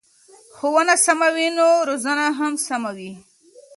که ښوونه سمه وي نو روزنه هم سمه وي.